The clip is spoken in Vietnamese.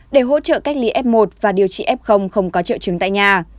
để hỗ trợ cách ly f một và điều trị f không có triệu chứng tại nhà